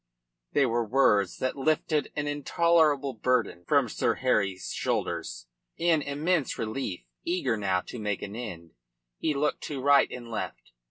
They were words that lifted an intolerable burden from Sir Harry's shoulders. In immense relief, eager now to make an end, he looked to right and left.